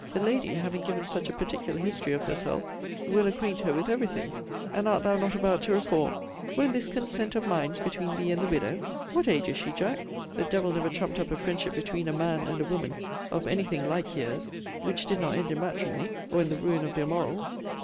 The lady, having given such a particular history of herself, will acquaint her with every thing. And art thou not about to reform! Won't this consent of minds between thee and the widow, [what age is she, Jack? the devil never trumpt up a friendship between a man and a woman, of any thing like years, which did not end in matrimony, or in the ruin of their morals!